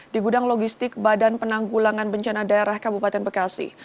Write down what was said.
di gudang logistik badan penanggulangan bencana daerah kabupaten bekasi